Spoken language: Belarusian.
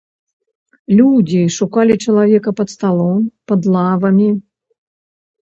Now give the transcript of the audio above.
Людзі шукалі чалавека пад сталом, пад лавамі.